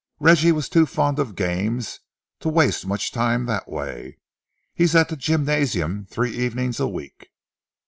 Reggie was too fond of games to waste much time that way. He's at the gymnasium three evenings a week."